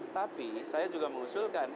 tapi saya juga mengusulkan